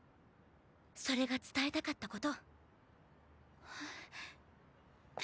それが伝えたかったこと。